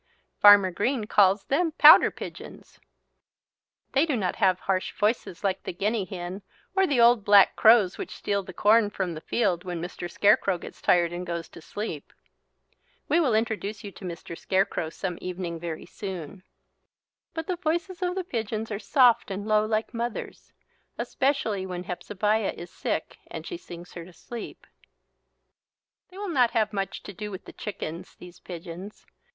Farmer Green calls them pouter pigeons. They do not have harsh voices like the guinea hen or the old black crows which steal the corn from the field when Mr. Scarecrow gets tired and goes to sleep. (We will introduce you to Mr. Scarecrow some evening very soon.) But the voices of the pigeons are soft and low like mother's, especially when Hepzebiah is sick and she sings her to sleep. They will not have much to do with the chickens, these pigeons.